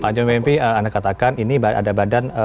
pak jomim mp anda katakan ini ada badan